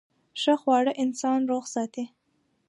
ښه خواړه انسان روغ ساتي.